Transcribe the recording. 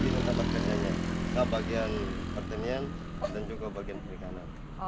sekarang mungkin ada bagian pertanian dan juga bagian perikanan